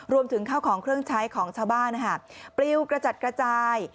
รวมถึงข้าวของเครื่องใช้ของชาวบ้านปลิวกระจัดกระจาย